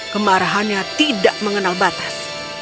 kemarahannya tidak mengenal batas